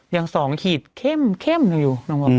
ยัง๒ขีดเข้มอยู่